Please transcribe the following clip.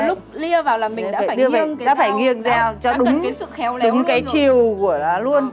tức là lúc lia vào mình đã phải nghiêng dao cho đúng cái chiều của nó luôn